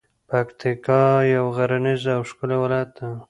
پکتیکا یو غرنیز او ښکلی ولایت ده.